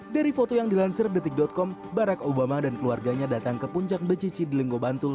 dari foto yang dilansir detik com barack obama dan keluarganya datang ke puncak becici di lenggo bantul